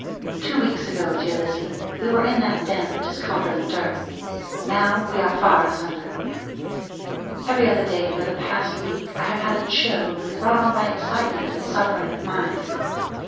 Two weeks ago, dear Lizzie, we were in that den of discomfort and dirt. Now we are far asunder. Every other day, for the past week, I have had a chill, brought on by excitement and suffering of mind.